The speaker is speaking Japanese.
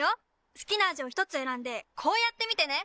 好きな味を１つ選んでこうやって見てね！